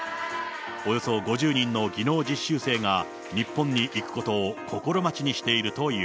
およそ５０人の技能実習生が日本に行くことを心待ちにしているという。